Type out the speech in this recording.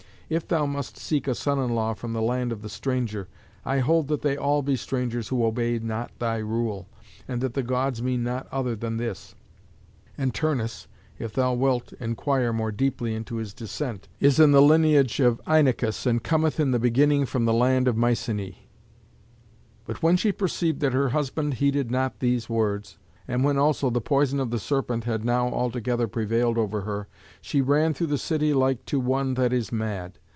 If thou must seek a son in law from the land of the stranger, I hold that they all be strangers who obey not thy rule, and that the Gods mean not other than this. And Turnus, if thou wilt inquire more deeply into his descent, is of the lineage of Inachus, and cometh in the beginning from the land of Mycenæ." But when she perceived that her husband heeded not these words, and when also the poison of the serpent had now altogether prevailed over her, she ran through the city like to one that is mad.